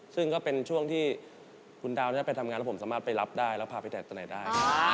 ซึ่งก็เป็นช่วงที่คุณดาวไปทำงานแล้วผมสามารถไปรับได้แล้วพาไปแต่ตัวไหนได้